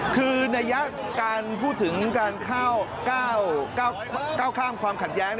คือในยักษ์การพูดถึงการ๙ข้ามความขัดแย้ง